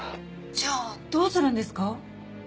じゃあどうするんですか？